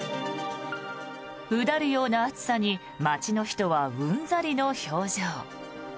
うだるような暑さに街の人は、うんざりの表情。